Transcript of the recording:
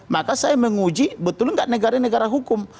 maka saya menguji betul nggak negara negara hukum